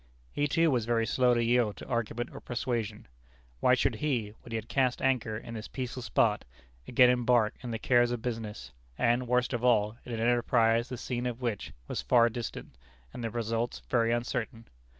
He too was very slow to yield to argument or persuasion. Why should he when he had cast anchor in this peaceful spot again embark in the cares of business, and, worst of all, in an enterprise the scene of which was far distant, and the results very uncertain?